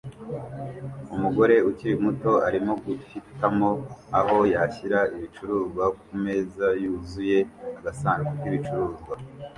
Umugore ukiri muto arimo guhitamo aho yashyira ibicuruzwa kumeza yuzuye agasanduku k'ibicuruzwa